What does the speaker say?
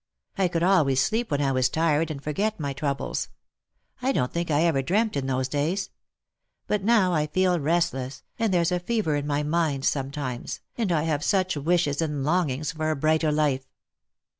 I could always sleep when I was tired, and forget my troubles. I don't think I ever dreamt, in those days. But now I feel restless, and there's a fever in my mind sometimes, and I have such wishes and longings for a brighter life!"